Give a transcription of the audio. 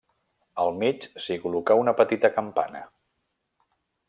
Al mig s'hi col·locà una petita campana.